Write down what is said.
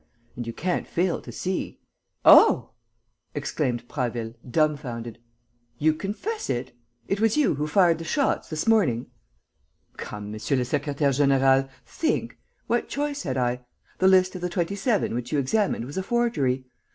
And you can't fail to see...." "Oh," exclaimed Prasville, dumbfounded, "you confess it? It was you who fired the shots, this morning?" "Come, monsieur le secrétaire; général, think! What choice had I? The list of the Twenty seven which you examined was a forgery.